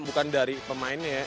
bukan dari pemainnya ya